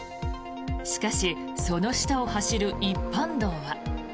しかし、その下を走る一般道は。